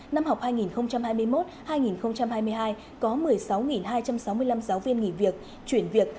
năm học hai nghìn hai mươi một hai nghìn hai mươi hai có một mươi sáu hai trăm sáu mươi năm giáo viên nghỉ việc chuyển việc